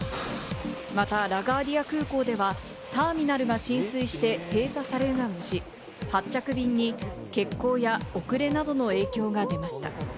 またラガーディア空港ではターミナルが浸水して閉鎖されるなどして、発着便に欠航や遅れなどの影響が出ました。